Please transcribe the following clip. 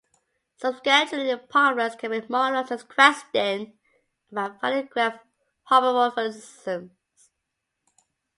Some scheduling problems can be modeled as a question about finding graph homomorphisms.